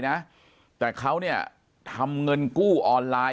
ปากกับภาคภูมิ